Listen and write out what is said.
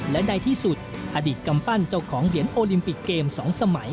และในที่สุดอดีตกำปั้นเจ้าของเหรียญโอลิมปิกเกม๒สมัย